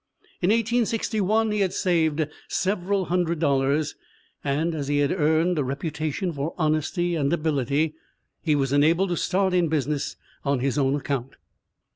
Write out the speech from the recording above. In 1861 he had saved several hundred dollars, and as he had earned a reputation for honesty and ability, he was enabled to start in business on his own account.